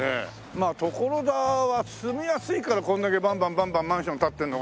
まあ所沢は住みやすいからこんだけバンバンバンバンマンション建ってんのかな？